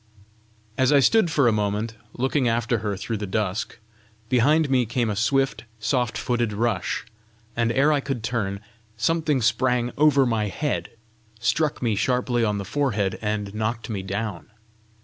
As I stood for a moment looking after her through the dusk, behind me came a swift, soft footed rush, and ere I could turn, something sprang over my head, struck me sharply on the forehead, and knocked me down.